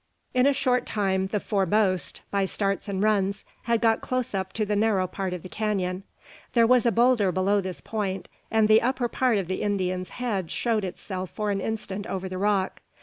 In a short time the foremost, by starts and runs, had got close up to the narrow part of the canon. There was a boulder below this point, and the upper part of the Indian's head showed itself for an instant over the rock.